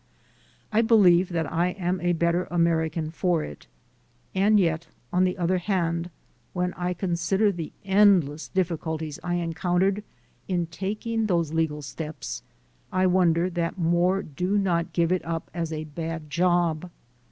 I believe that I am a better American for it. And yet on the other hand, when I consider the endless difficulties I encountered in taking these legal steps, I wonder that more do not give it up as a bad job.